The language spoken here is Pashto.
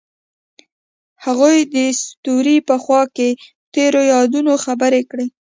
هغوی د ستوري په خوا کې تیرو یادونو خبرې کړې.